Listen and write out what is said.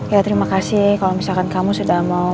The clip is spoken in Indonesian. ya terima kasih kalau misalkan kamu sudah mau